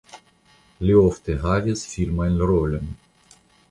Li ofte havis filmajn rolojn.